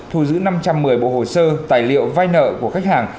thu giữ năm trăm một mươi bộ hồ sơ tài liệu vai nợ của khách hàng